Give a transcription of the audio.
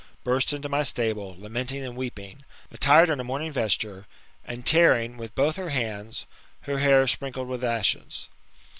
^ laO THE MBTAMORPROStS^ Ok BOO, burst into my stable, lamenting and weeping, attired in a mourning vesture, and tearing, with both her hands, her hairs sprinkled with ashes.